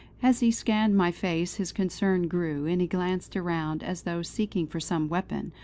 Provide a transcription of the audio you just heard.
As he scanned my face his concern grew; and he glanced around, as though seeking for some weapon.